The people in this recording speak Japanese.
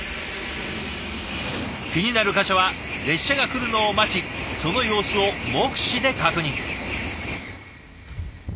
気になる箇所は列車が来るのを待ちその様子を目視で確認。